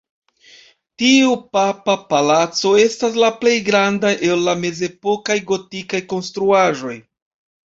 Tiu papa palaco estas la plej granda el la mezepokaj gotikaj konstruaĵoj.